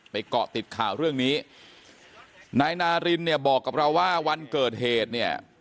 เกาะติดข่าวเรื่องนี้นายนารินเนี่ยบอกกับเราว่าวันเกิดเหตุเนี่ย